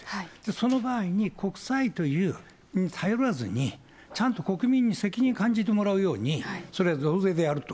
その場合に、国債というのに頼らずに、ちゃんと国民に責任を感じてもらうように、それを増税でやると。